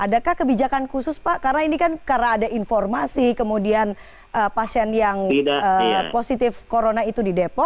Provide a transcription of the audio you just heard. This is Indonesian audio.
adakah kebijakan khusus pak karena ini kan karena ada informasi kemudian pasien yang positif corona itu di depok